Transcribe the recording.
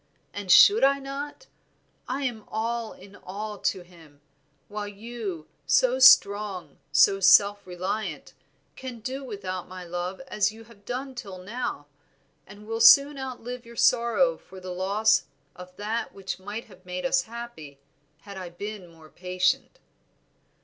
and should I not? I am all in all to him, while you, so strong, so self reliant, can do without my love as you have done till now, and will soon outlive your sorrow for the loss of that which might have made us happy had I been more patient."